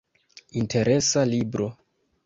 Interesa libro.